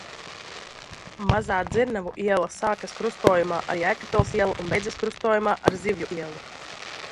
Mazā Dzirnavu iela sākas krustojumā ar Jēkabpils ielu un beidzas krustojumā ar Zivju ielu.